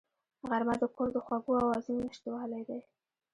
غرمه د کور د خوږو آوازونو نشتوالی دی